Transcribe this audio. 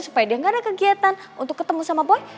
supaya dia nggak ada kegiatan untuk ketemu sama boy